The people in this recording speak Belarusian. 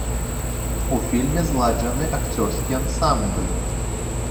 У фільме зладжаны акцёрскі ансамбль.